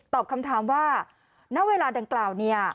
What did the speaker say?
คำถามว่าณเวลาดังกล่าวเนี่ย